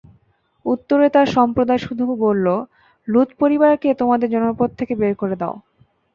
উত্তরে তার সম্প্রদায় শুধু বলল, লূত পরিবারকে তোমাদের জনপদ থেকে বের করে দাও।